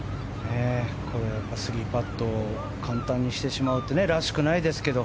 これ、３パット簡単にしてしまうってらしくないですけど。